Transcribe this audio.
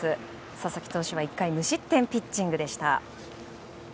佐々木投手は１回無失点ピッチングでした。